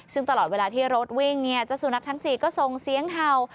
ซึ่งตลอดเวลาที่รถวิ่งเนี่ยเจ้าสุนัขทั้ง๔ก็ส่งเสียงเห่า